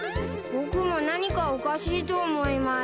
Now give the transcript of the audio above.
僕も何かおかしいと思います。